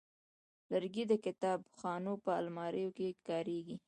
لرګی د کتابخانو په الماریو کې کارېږي.